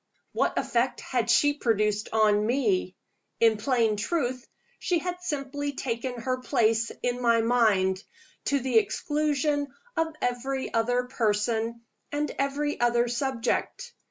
What effect had she produced on me? In plain truth, she had simply taken her place in my mind, to the exclusion of every other person and every other subject.